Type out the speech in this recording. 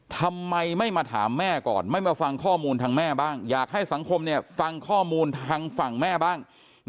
ทำไมไม่มาถามแม่ก่อนไม่มาฟังข้อมูลทางแม่บ้างอยากให้สังคมฟังข้อมูลทางฝั่งแม่บ้าง